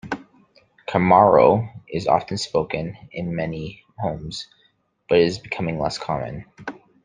Chamorro is often spoken in many homes, but is becoming less common.